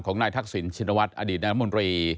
ของนายทักศิลป์ชินวัสด์อดีตรัฐมนตรี